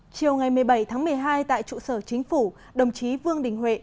chiều ngày một mươi bảy tháng một mươi hai tại trụ sở chính phủ đồng chí vương đình huệ